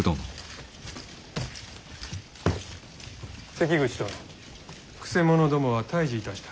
関口殿くせ者どもは退治いたした。